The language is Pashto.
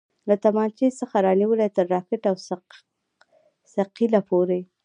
له تمانچې څخه رانيولې تر راکټ او ثقيله پورې.